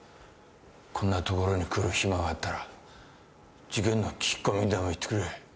こんな所に来る暇があったら事件の聞き込みにでも行ってくれ。